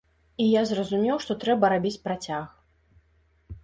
І я зразумеў, што трэба рабіць працяг.